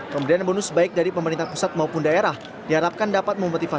pemberian bonus baik dari pemerintah pusat maupun daerah diharapkan dapat memotivasi